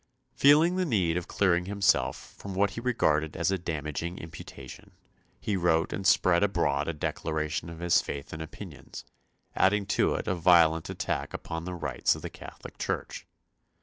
Feeling the need of clearing himself from what he regarded as a damaging imputation, he wrote and spread abroad a declaration of his faith and opinions, adding to it a violent attack upon the rites of the Catholic Church.